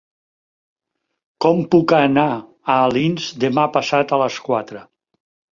Com puc anar a Alins demà passat a les quatre?